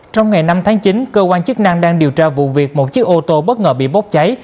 trong ngày năm tháng chín cơ quan chức năng đang điều tra vụ việc một chiếc ô tô bất ngờ bị bốc cháy